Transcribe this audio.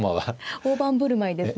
大盤振る舞いですね。